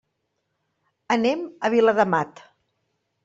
Anem a Viladamat.